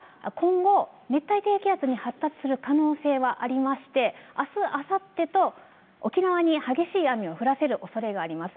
この低気圧は今後、熱帯低気圧に発達する可能性はありまして、あす、あさってと、沖縄に激しい雨を降らせるおそれがあります。